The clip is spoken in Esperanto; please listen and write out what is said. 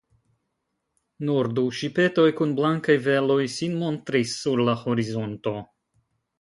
Nur du ŝipetoj kun blankaj veloj sin montris sur la horizonto.